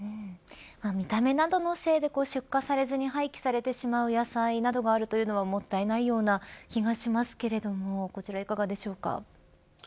見た目などのせいで出荷されずに廃棄されてしまう野菜などがあるというのはもったいないような気がしますけれどこちら、いかがでしょうか。